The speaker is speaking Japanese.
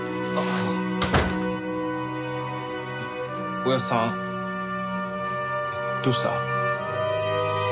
おやっさんどうした？